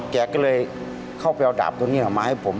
แกก็เลยเข้าไปเอาดาบตัวนี้ออกมาให้ผม